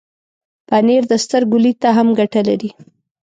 پنېر د سترګو لید ته هم ګټه لري.